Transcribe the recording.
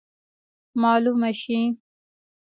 معلومه سي.